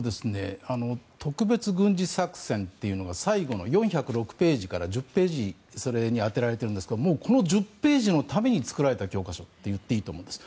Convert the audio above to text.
特別軍事作戦というのが最後の４０６ページから１０ページそれに充てられてるんですがもうこの１０ページのために作られた教科書といっていいと思うんです。